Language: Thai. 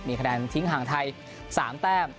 มีคะแนนทิ้งห่างไทย๓แต้ม